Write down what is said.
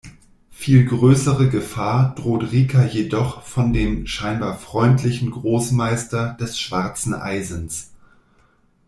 Viel größere Gefahr droht Rika jedoch von dem scheinbar freundlichen Großmeister des schwarzen Eisens.